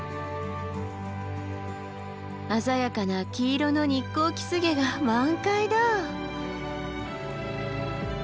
鮮やかな黄色のニッコウキスゲが満開だ。